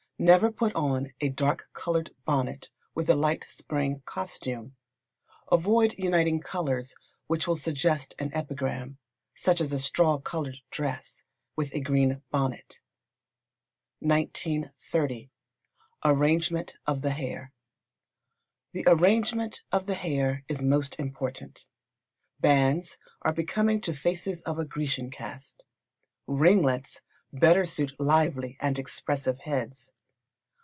Never put on a dark coloured bonnet with a light spring costume. Avoid uniting colours which will suggest an epigram; such as a straw coloured dress with a green bonnet. 1930. Arrangement of the Hair. The arrangement of the hair is most important. Bands are becoming to faces of a Grecian caste. Ringlets better suit lively and expressive heads.